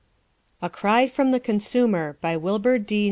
A CRY FROM THE CONSUMER BY WILBUR D.